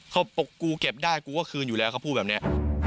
บอกกูเก็บได้กูก็คืนอยู่แล้วเขาพูดแบบนี้